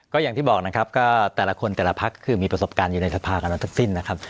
ก็อย่างที่บอกนะครับก็แต่ละคนแต่ละพักคือมีประสบการณ์อยู่ในสภากันมาทั้งสิ้นนะครับ